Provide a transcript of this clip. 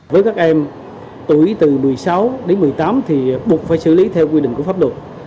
với các em tuổi từ một mươi sáu đến một mươi tám thì buộc phải xử lý theo quy định của pháp luật